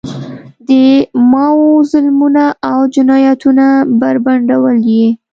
د ماوو ظلمونه او جنایتونه بربنډول یې.